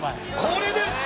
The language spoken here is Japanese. これです！